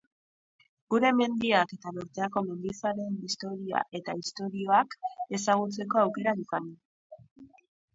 Gure mendiak eta bertako mendizaleen historia eta istorioak ezagutzeko aukera bikaina.